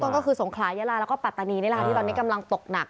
เบื้องต้นก็คือสงขลายะลาแล้วก็ปตนีในรายที่ตอนนี้กำลังตกหนัก